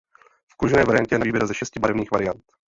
V kožené variantě je na výběr ze šesti barevných variant.